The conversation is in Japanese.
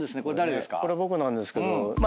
これ僕なんですけど。